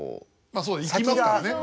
まあそう生きますからね。